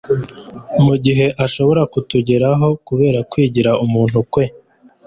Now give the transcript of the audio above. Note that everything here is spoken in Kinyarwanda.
mu gihe ashobora kutugeraho kubera kwigira umuntu kwe.